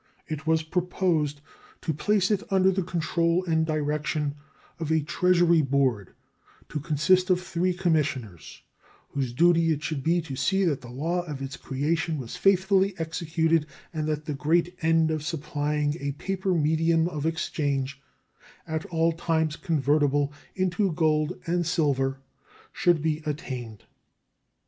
It was proposed to place it under the control and direction of a Treasury board to consist of three commissioners, whose duty it should be to see that the law of its creation was faithfully executed and that the great end of supplying a paper medium of exchange at all times convertible into gold and silver should be attained.